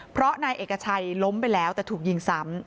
เพราะนายเอกชัยล้มไปแล้วแต่ถูกยิงซ้ำ